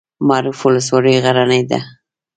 معروف ولسوالۍ غرنۍ ده؟